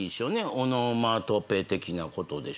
オノマトペ的なことでしょうね。